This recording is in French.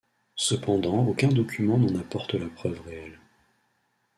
Cependant aucun document n’en apporte la preuve réelle.